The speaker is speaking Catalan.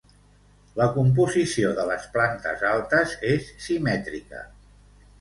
La composició de les plantes altes és simètrica.